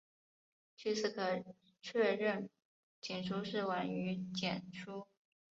据此可确认帛书是晚于简书。